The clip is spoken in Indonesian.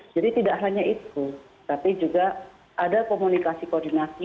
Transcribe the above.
jadi tidak hanya itu tapi juga ada komunikasi koordinasi